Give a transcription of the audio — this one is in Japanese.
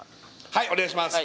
はいお願いします